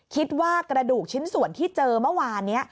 คิดว่ากระดูกชิ้นส่วนที่เจอเมื่อวานนี้